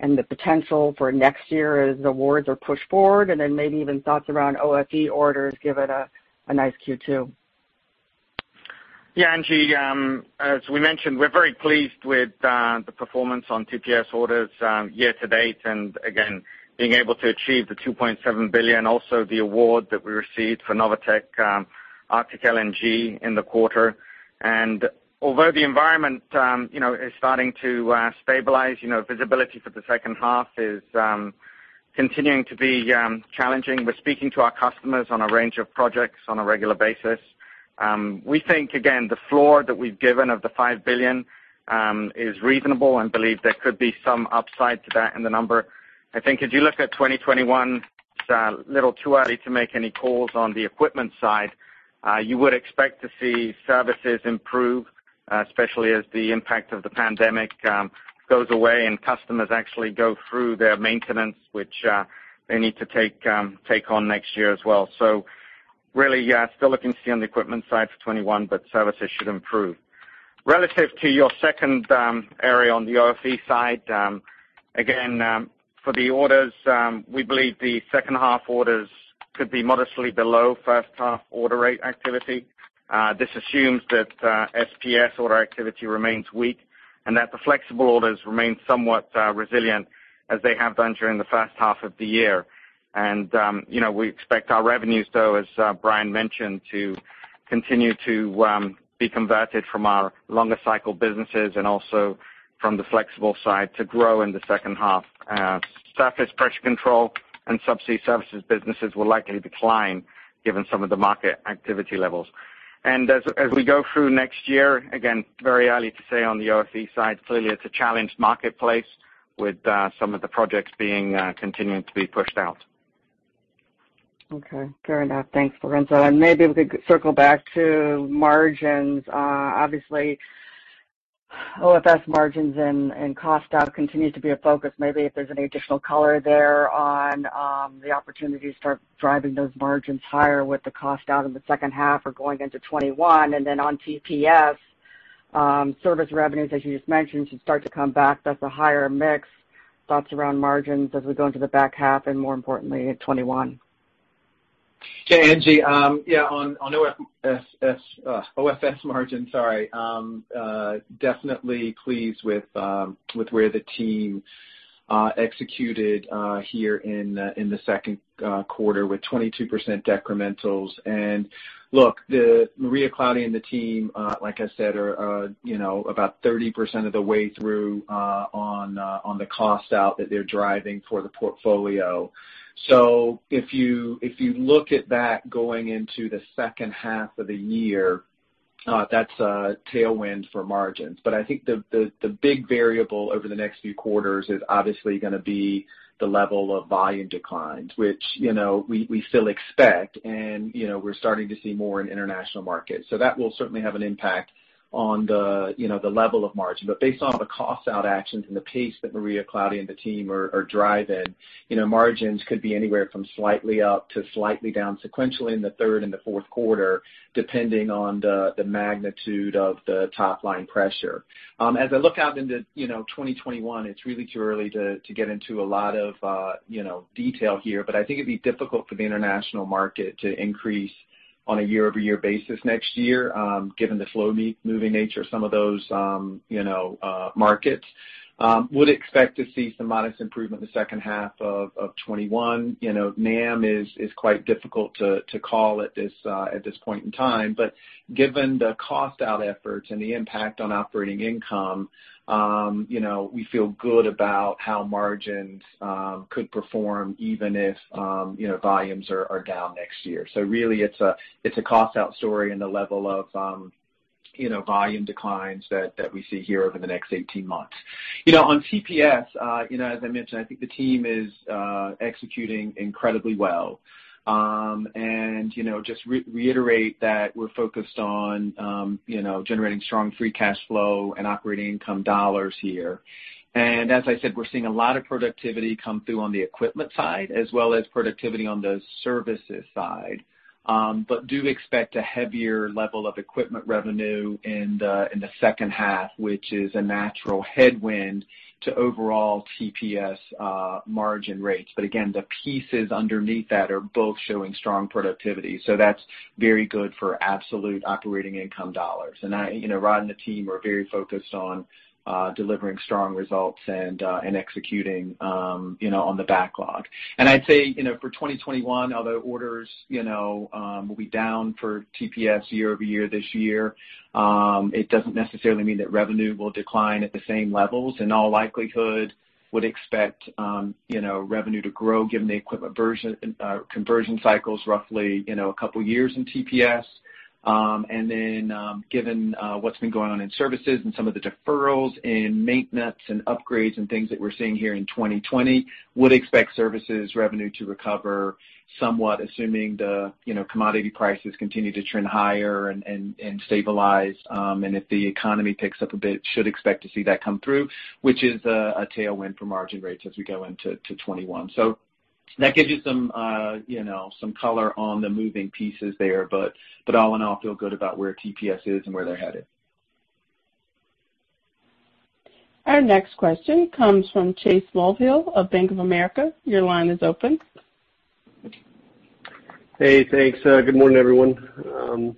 and the potential for next year as awards are pushed forward? Maybe even thoughts around OFE orders give it a nice Q2. Yeah, Angie, as we mentioned, we're very pleased with the performance on TPS orders year to date, and again, being able to achieve the $2.7 billion. Also, the award that we received for Novatek Arctic LNG in the quarter. Although the environment is starting to stabilize, visibility for the second half is continuing to be challenging. We're speaking to our customers on a range of projects on a regular basis. We think, again, the floor that we've given of the $5 billion is reasonable and believe there could be some upside to that in the number. I think as you look at 2021, it's a little too early to make any calls on the equipment side. You would expect to see services improve, especially as the impact of the pandemic goes away and customers actually go through their maintenance, which they need to take on next year as well. Really still looking to see on the equipment side for 2021, but services should improve. Relative to your second area on the OFE side, again, for the orders, we believe the second half orders could be modestly below first half order rate activity. This assumes that SPS order activity remains weak and that the flexible orders remain somewhat resilient as they have done during the first half of the year. We expect our revenues, though, as Brian mentioned, to continue to be converted from our longer cycle businesses and also from the flexible side to grow in the second half. Surface pressure control and subsea services businesses will likely decline given some of the market activity levels. As we go through next year, again, very early to say on the OFE side. Clearly, it's a challenged marketplace with some of the projects continuing to be pushed out. Okay. Fair enough. Thanks, Lorenzo. Maybe we could circle back to margins. Obviously, OFS margins and cost out continues to be a focus. Maybe if there's any additional color there on the opportunity to start driving those margins higher with the cost out in the second half or going into 2021, then on TPS, service revenues, as you just mentioned, should start to come back. That's a higher mix. Thoughts around margins as we go into the back half and more importantly in 2021? Sure, Angie. On OFS margin, sorry, definitely pleased with where the team executed here in the second quarter with 22% decrementals. Look, Maria Claudia and the team, like I said, are about 30% of the way through on the cost out that they're driving for the portfolio. If you look at that going into the second half of the year, that's a tailwind for margins. I think the big variable over the next few quarters is obviously going to be the level of volume declines, which we still expect, and we're starting to see more in international markets. That will certainly have an impact on the level of margin. Based on the cost out actions and the pace that Maria Claudia and the team are driving, margins could be anywhere from slightly up to slightly down sequentially in the third and the fourth quarter, depending on the magnitude of the top-line pressure. As I look out into 2021, it's really too early to get into a lot of detail here, but I think it'd be difficult for the international market to increase on a year-over-year basis next year given the slow-moving nature of some of those markets. Would expect to see some modest improvement in the second half of 2021. NAM is quite difficult to call at this point in time. Given the cost out efforts and the impact on operating income, we feel good about how margins could perform even if volumes are down next year. really it's a cost-out story and the level of volume declines that we see here over the next 18 months. On TPS, as I mentioned, I think the team is executing incredibly well. Just reiterate that we're focused on generating strong free cash flow and operating income dollars here. As I said, we're seeing a lot of productivity come through on the equipment side, as well as productivity on the services side. Do expect a heavier level of equipment revenue in the second half, which is a natural headwind to overall TPS margin rates. Again, the pieces underneath that are both showing strong productivity. That's very good for absolute operating income dollars. Rod and the team are very focused on delivering strong results and executing on the backlog. I'd say, for 2021, although orders will be down for TPS year-over-year this year, it doesn't necessarily mean that revenue will decline at the same levels. In all likelihood, would expect revenue to grow given the equipment conversion cycles roughly a couple of years in TPS. Given what's been going on in services and some of the deferrals in maintenance and upgrades and things that we're seeing here in 2020, would expect services revenue to recover somewhat, assuming the commodity prices continue to trend higher and stabilize. If the economy picks up a bit, should expect to see that come through, which is a tailwind for margin rates as we go into 2021. That gives you some color on the moving pieces there. All in all, feel good about where TPS is and where they're headed. Our next question comes from Chase Mulvehill of Bank of America. Your line is open. Hey, thanks. Good morning, everyone.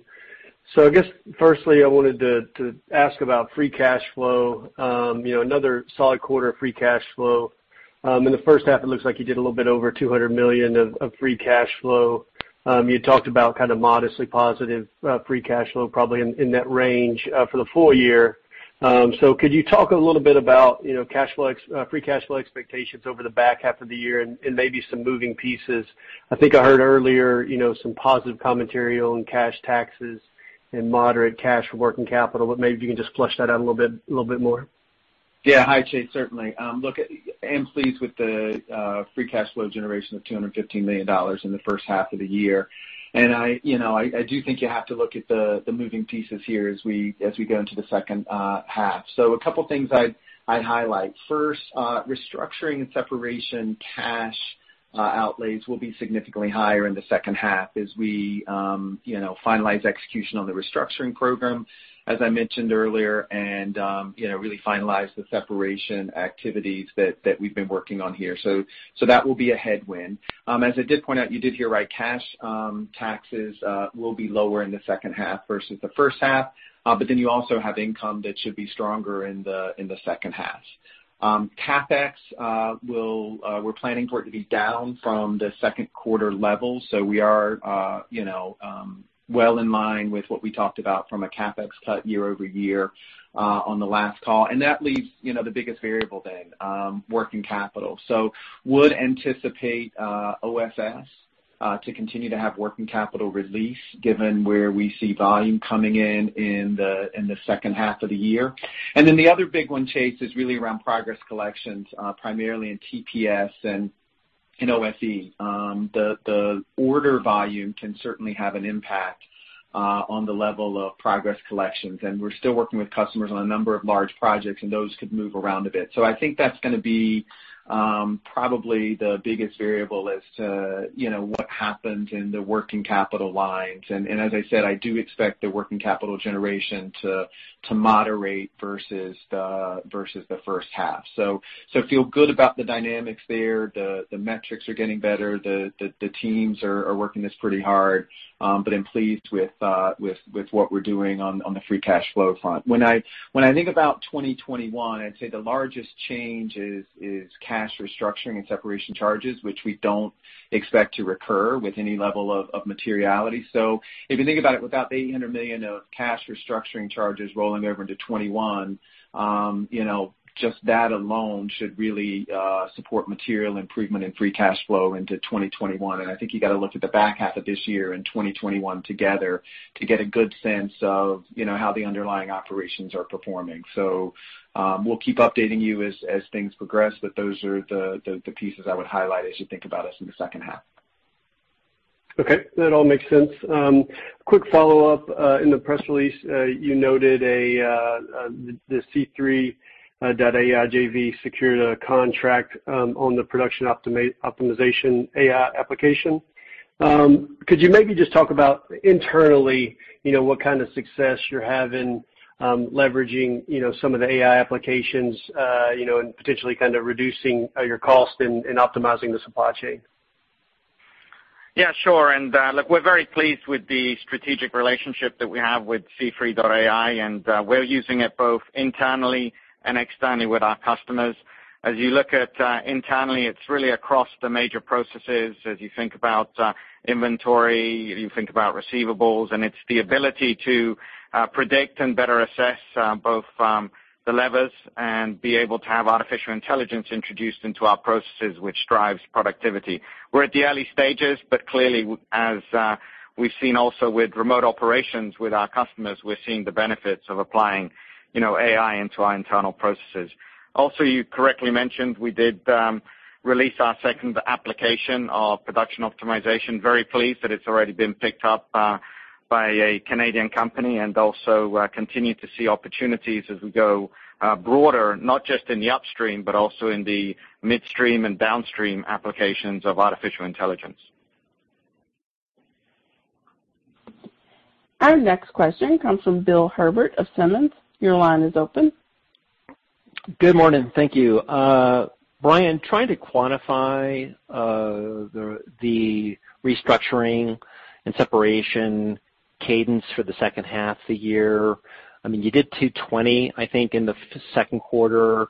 I guess firstly, I wanted to ask about free cash flow. Another solid quarter of free cash flow. In the first half, it looks like you did a little bit over $200 million of free cash flow. You talked about kind of modestly positive free cash flow, probably in that range for the full year. Could you talk a little bit about free cash flow expectations over the back half of the year and maybe some moving pieces? I think I heard earlier some positive commentary on cash taxes and moderate cash working capital, but maybe if you can just flesh that out a little bit more. Yeah. Hi, Chase. Certainly. Look, I am pleased with the free cash flow generation of $215 million in the first half of the year. I do think you have to look at the moving pieces here as we go into the second half. A couple of things I'd highlight. First, restructuring and separation cash outlays will be significantly higher in the second half as we finalize execution on the restructuring program, as I mentioned earlier, and really finalize the separation activities that we've been working on here. That will be a headwind. As I did point out, you did hear right, cash taxes will be lower in the second half versus the first half. You also have income that should be stronger in the second half. CapEx, we're planning for it to be down from the second quarter levels. We are well in line with what we talked about from a CapEx cut year-over-year on the last call. That leaves the biggest variable then, working capital. Would anticipate OFS to continue to have working capital release given where we see volume coming in in the second half of the year. Then the other big one, Chase, is really around progress collections, primarily in TPS and in OFE. The order volume can certainly have an impact on the level of progress collections, and we're still working with customers on a number of large projects, and those could move around a bit. I think that's going to be probably the biggest variable as to what happens in the working capital lines. As I said, I do expect the working capital generation to moderate versus the first half. Feel good about the dynamics there. The metrics are getting better. The teams are working this pretty hard. I'm pleased with what we're doing on the free cash flow front. When I think about 2021, I'd say the largest change is cash restructuring and separation charges, which we don't expect to recur with any level of materiality. If you think about it, without the $800 million of cash restructuring charges rolling over into 2021, just that alone should really support material improvement in free cash flow into 2021. I think you got to look at the back half of this year and 2021 together to get a good sense of how the underlying operations are performing. We'll keep updating you as things progress, but those are the pieces I would highlight as you think about us in the second half. Okay. That all makes sense. Quick follow-up. In the press release, you noted the C3.ai JV secured a contract on the production optimization AI application. Could you maybe just talk about internally what kind of success you're having leveraging some of the AI applications and potentially kind of reducing your cost and optimizing the supply chain? Yeah, sure. Look, we're very pleased with the strategic relationship that we have with C3.ai, and we're using it both internally and externally with our customers. As you look at internally, it's really across the major processes as you think about inventory, you think about receivables, and it's the ability to predict and better assess both the levers and be able to have artificial intelligence introduced into our processes, which drives productivity. We're at the early stages, clearly, as we've seen also with remote operations with our customers, we're seeing the benefits of applying AI into our internal processes. Also, you correctly mentioned we did release our second application of production optimization. Very pleased that it's already been picked up By a Canadian company and also continue to see opportunities as we go broader, not just in the upstream, but also in the midstream and downstream applications of artificial intelligence. Our next question comes from Bill Herbert of Simmons. Your line is open. Good morning. Thank you. Brian, trying to quantify the restructuring and separation cadence for the second half of the year. You did $220, I think, in the second quarter.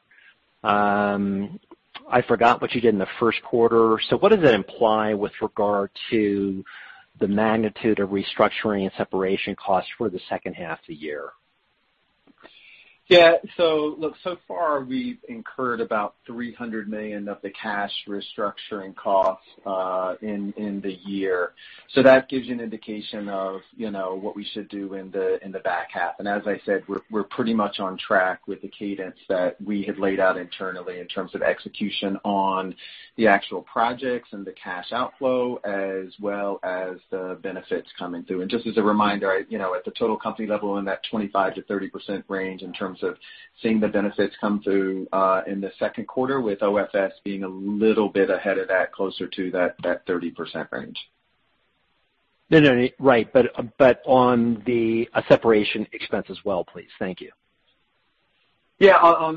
I forgot what you did in the first quarter. What does that imply with regard to the magnitude of restructuring and separation costs for the second half of the year? Yeah. Look, so far, we've incurred about $300 million of the cash restructuring costs in the year. That gives you an indication of what we should do in the back half. As I said, we're pretty much on track with the cadence that we had laid out internally in terms of execution on the actual projects and the cash outflow, as well as the benefits coming through. Just as a reminder, at the total company level, in that 25%-30% range in terms of seeing the benefits come through in the second quarter, with OFS being a little bit ahead of that, closer to that 30% range. No, right. On the separation expense as well, please. Thank you. Yeah.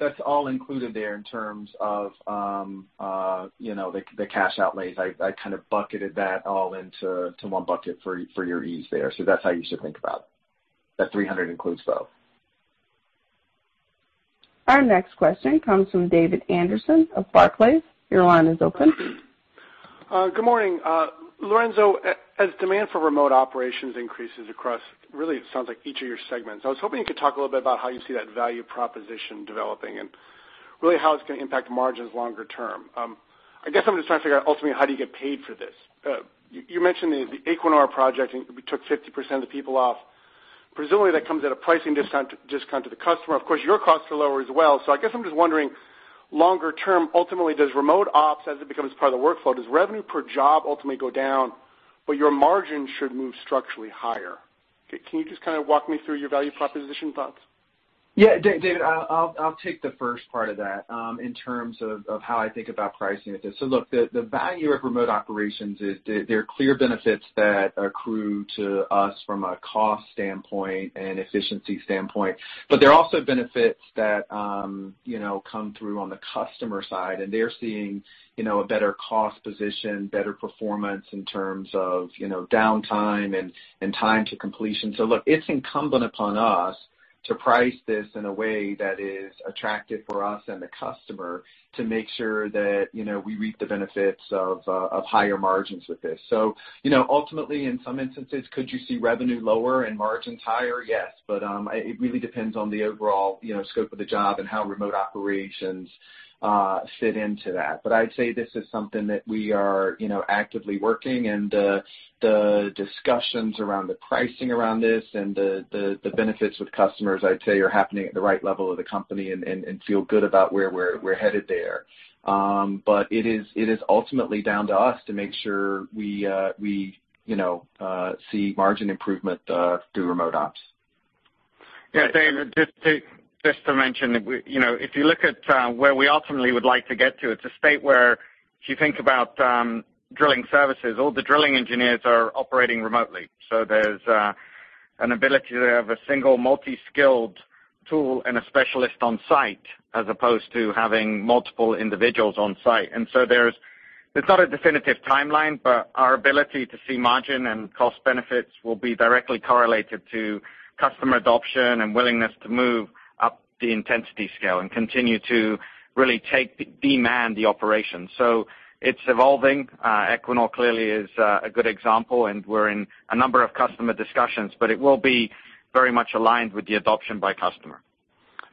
That's all included there in terms of the cash outlays. I kind of bucketed that all into one bucket for your ease there. That's how you should think about it. That $300 includes both. Our next question comes from David Anderson of Barclays. Your line is open. Good morning. Lorenzo, as demand for remote operations increases across, really, it sounds like each of your segments. I was hoping you could talk a little bit about how you see that value proposition developing and really how it's going to impact margins longer term. I guess I'm just trying to figure out ultimately how do you get paid for this? You mentioned the Equinor project, and we took 50% of the people off. Presumably, that comes at a pricing discount to the customer. Of course, your costs are lower as well. I guess I'm just wondering, longer term, ultimately, does remote ops, as it becomes part of the workflow, does revenue per job ultimately go down, but your margin should move structurally higher? Can you just kind of walk me through your value proposition thoughts? Yeah. David, I'll take the first part of that in terms of how I think about pricing it. Look, the value of remote operations is there are clear benefits that accrue to us from a cost standpoint and efficiency standpoint. There are also benefits that come through on the customer side, and they're seeing a better cost position, better performance in terms of downtime and time to completion. Look, it's incumbent upon us to price this in a way that is attractive for us and the customer to make sure that we reap the benefits of higher margins with this. Ultimately, in some instances, could you see revenue lower and margins higher? Yes, but it really depends on the overall scope of the job and how remote operations fit into that. I'd say this is something that we are actively working, and the discussions around the pricing around this and the benefits with customers, I'd say, are happening at the right level of the company and feel good about where we're headed there. It is ultimately down to us to make sure we see margin improvement through remote ops. Yeah, David, just to mention, if you look at where we ultimately would like to get to, it's a state where if you think about drilling services, all the drilling engineers are operating remotely. There's an ability to have a single multi-skilled tool and a specialist on site as opposed to having multiple individuals on site. There's not a definitive timeline, but our ability to see margin and cost benefits will be directly correlated to customer adoption and willingness to move up the intensity scale and continue to really demand the operation. It's evolving. Equinor clearly is a good example, and we're in a number of customer discussions, but it will be very much aligned with the adoption by customer.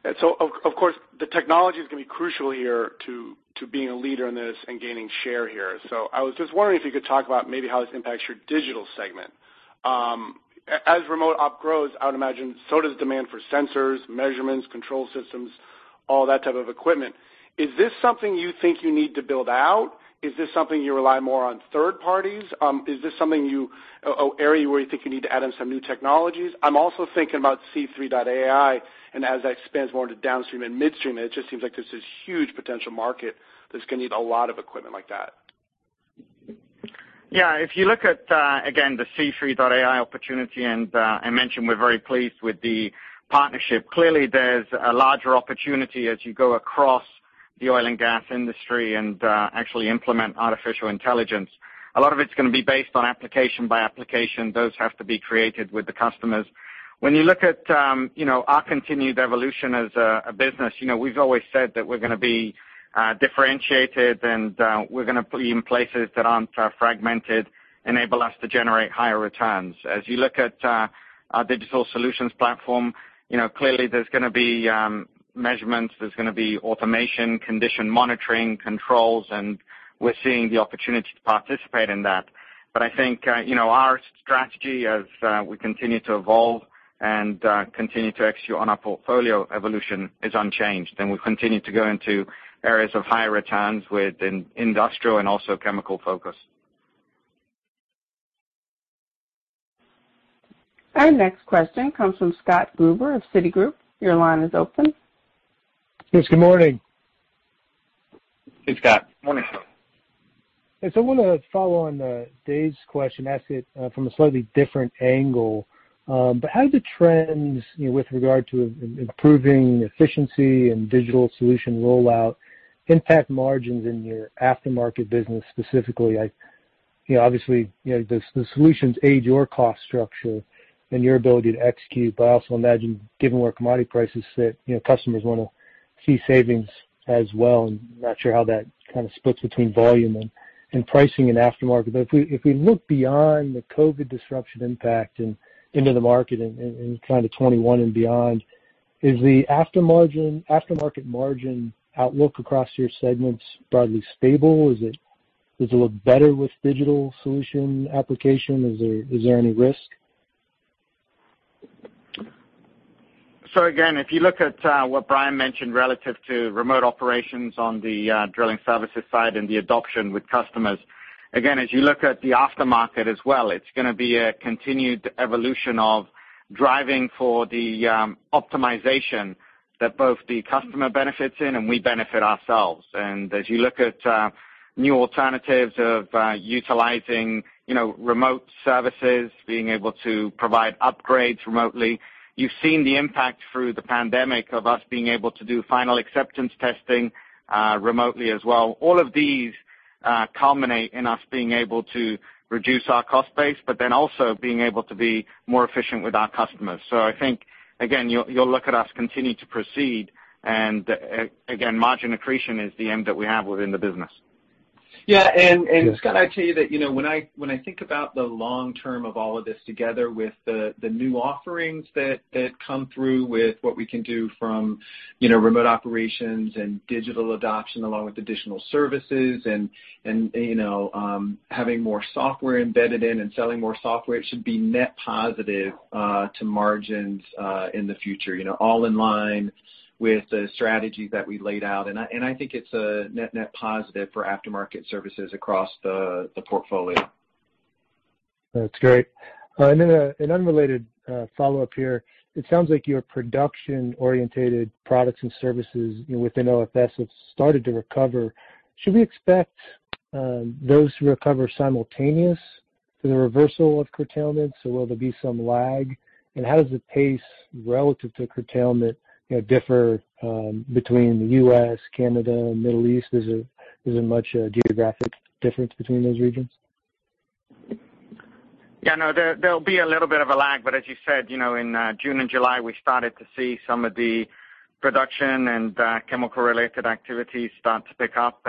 Of course, the technology is going to be crucial here to being a leader in this and gaining share here. I was just wondering if you could talk about maybe how this impacts your digital segment. As remote op grows, I would imagine so does demand for sensors, measurements, control systems, all that type of equipment. Is this something you think you need to build out? Is this something you rely more on third parties? Is this something or area where you think you need to add in some new technologies? I'm also thinking about C3.ai and as that expands more into downstream and midstream, it just seems like there's this huge potential market that's going to need a lot of equipment like that. Yeah. If you look at, again, the C3.ai opportunity, and I mentioned we're very pleased with the partnership. Clearly, there's a larger opportunity as you go across the oil and gas industry and actually implement artificial intelligence. A lot of it's going to be based on application by application. Those have to be created with the customers. When you look at our continued evolution as a business, we've always said that we're going to be differentiated, and we're going to be in places that aren't fragmented, enable us to generate higher returns. As you look at our digital solutions platform, clearly there's going to be measurements. There's going to be automation, condition monitoring, controls, and we're seeing the opportunity to participate in that. I think our strategy as we continue to evolve and continue to execute on our portfolio evolution is unchanged, and we continue to go into areas of higher returns with an industrial and also chemical focus. Our next question comes from Scott Gruber of Citigroup. Your line is open. Yes, good morning. Hey, Scott. Morning, Scott. I want to follow on, David's question, ask it from a slightly different angle. How do the trends, with regard to improving efficiency and digital solution rollout, impact margins in your aftermarket business, specifically? Obviously, the solutions aid your cost structure and your ability to execute, but I also imagine given where commodity prices sit, customers want to see savings as well, and I'm not sure how that kind of splits between volume and pricing in aftermarket. If we look beyond the COVID-19 disruption impact and into the market in kind of 2021 and beyond, is the aftermarket margin outlook across your segments broadly stable? Does it look better with digital solution application? Is there any risk? Again, if you look at what Brian mentioned relative to remote operations on the drilling services side and the adoption with customers, again, as you look at the aftermarket as well, it's going to be a continued evolution of driving for the optimization that both the customer benefits in and we benefit ourselves. As you look at new alternatives of utilizing remote services, being able to provide upgrades remotely. You've seen the impact through the pandemic of us being able to do final acceptance testing remotely as well. All of these culminate in us being able to reduce our cost base, also being able to be more efficient with our customers. I think, again, you'll look at us continue to proceed and again, margin accretion is the aim that we have within the business. Yeah. Yeah. Scott, I'd say that when I think about the long term of all of this together with the new offerings that come through with what we can do from remote operations and digital adoption, along with additional services and having more software embedded in and selling more software, it should be net positive to margins in the future. All in line with the strategy that we laid out. I think it's a net positive for aftermarket services across the portfolio. That's great. Then an unrelated follow-up here. It sounds like your production-orientated products and services within OFS have started to recover. Should we expect those to recover simultaneous to the reversal of curtailment, or will there be some lag? How does the pace relative to curtailment differ between the U.S., Canada, Middle East? Is there much geographic difference between those regions? There'll be a little bit of a lag. As you said, in June and July, we started to see some of the production and chemical-related activities start to pick up.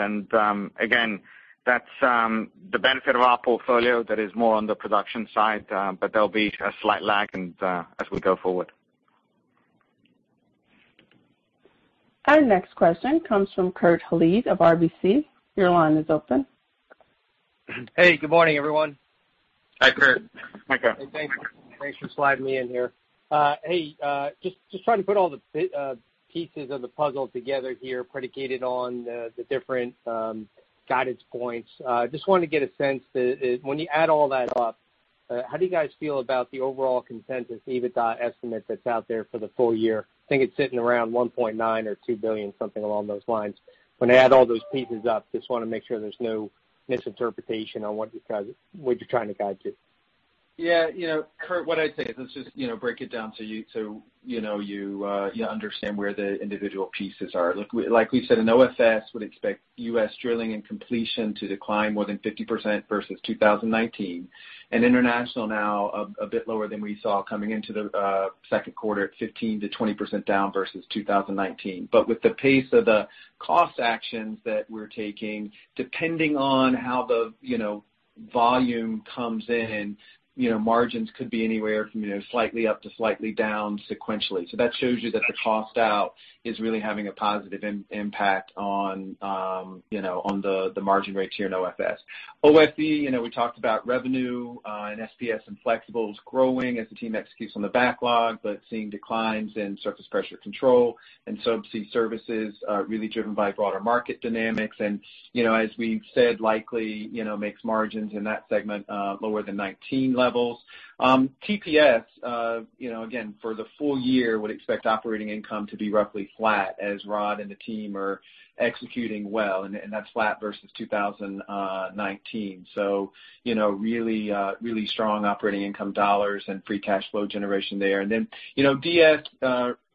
Again, that's the benefit of our portfolio that is more on the production side. There'll be a slight lag and as we go forward. Our next question comes from Kurt Hallead of RBC. Your line is open. Hey, good morning, everyone. Hi, Kurt. Hi, Kurt. Thanks for sliding me in here. Hey, just trying to put all the pieces of the puzzle together here, predicated on the different guidance points. Just wanted to get a sense that when you add all that up, how do you guys feel about the overall consensus EBITDA estimate that's out there for the full year? I think it's sitting around $1.9 billion or $2 billion, something along those lines. When I add all those pieces up, just want to make sure there's no misinterpretation on what you're trying to guide to. Yeah, Kurt, what I'd say is, let's just break it down so you understand where the individual pieces are. Like we said, in OFS, would expect U.S. drilling and completion to decline more than 50% versus 2019, international now a bit lower than we saw coming into the second quarter at 15%-20% down versus 2019. With the pace of the cost actions that we're taking, depending on how the volume comes in, margins could be anywhere from slightly up to slightly down sequentially. That shows you that the cost out is really having a positive impact on the margin rates here in OFS. OFE, we talked about revenue and SPS and Flexibles growing as the team executes on the backlog, seeing declines in surface pressure control and subsea services really driven by broader market dynamics. As we've said, likely makes margins in that segment lower than 2019 levels. TPS, again, for the full year, would expect operating income to be roughly flat as Rod and the team are executing well. That's flat versus 2019. Really strong operating income dollars and free cash flow generation there. Then, DS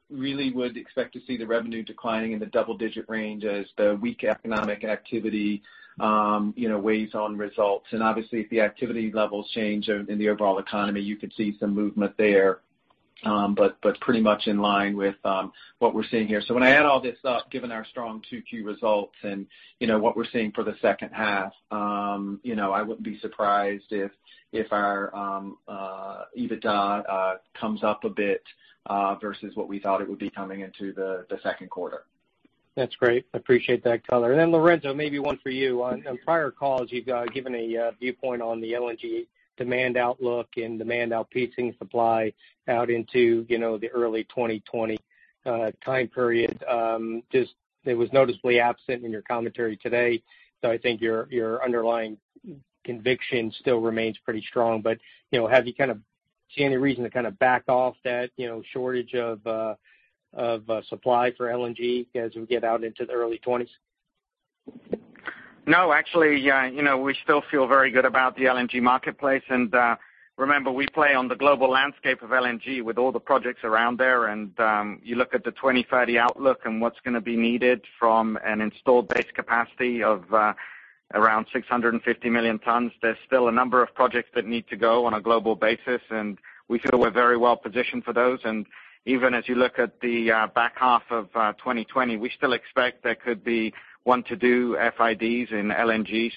really would expect to see the revenue declining in the double-digit range as the weak economic activity weighs on results. Obviously, if the activity levels change in the overall economy, you could see some movement there. Pretty much in line with what we're seeing here. When I add all this up, given our strong 2Q results and what we're seeing for the second half, I wouldn't be surprised if our EBITDA comes up a bit, versus what we thought it would be coming into the second quarter. That's great. Appreciate that color. Lorenzo, maybe one for you. On prior calls, you've given a viewpoint on the LNG demand outlook and demand outpacing supply out into the early 2020 time period. It was noticeably absent in your commentary today. I think your underlying conviction still remains pretty strong. Have you kind of seen any reason to kind of back off that shortage of supply for LNG as we get out into the early '20s? No, actually, we still feel very good about the LNG marketplace. Remember, we play on the global landscape of LNG with all the projects around there. You look at the 2030 outlook and what's going to be needed from an installed base capacity of around 650 million tons. There's still a number of projects that need to go on a global basis, and we feel we're very well positioned for those. Even as you look at the back half of 2020, we still expect there could be one to two FIDs in LNG.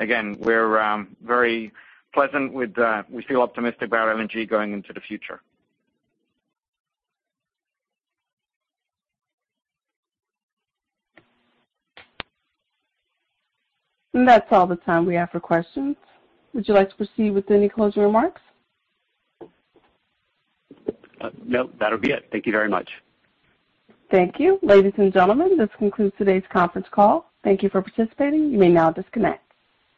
Again, we feel optimistic about LNG going into the future. That's all the time we have for questions. Would you like to proceed with any closing remarks? No, that'll be it. Thank you very much. Thank you. Ladies and gentlemen, this concludes today's conference call. Thank you for participating. You may now disconnect.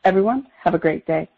Everyone, have a great day.